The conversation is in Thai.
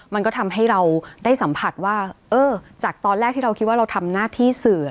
มันก็ทำให้เราได้สัมผัสว่าเออจากตอนแรกที่เราคิดว่าเราทำหน้าที่สื่อ